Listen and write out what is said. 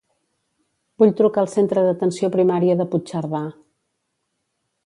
Vull trucar al centre d'atenció primària de Puigcerdà.